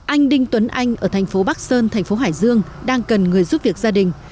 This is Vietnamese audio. anh đinh tuấn anh ở thành phố bắc sơn thành phố hải dương đang cần người giúp việc gia đình